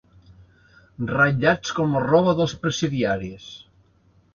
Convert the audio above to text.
Ratllats com la roba dels presidiaris.